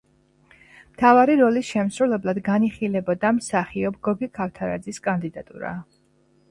მთავარი როლის შემსრულებლად განიხილებოდა მსახიობ გოგი ქავთარაძის კანდიდატურა.